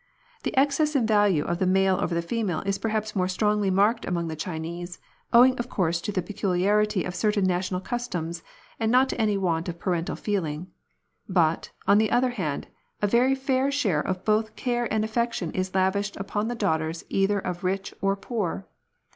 The excess in value of the male over the female is perhaps more strongly marked among the Chinese, owing of course to the peculiarity of certain national customs, and not to any want of parental feeling ; but, on the other hand, a very fair share both of care and aflfection is lavished upon the daughters either of rich or poor.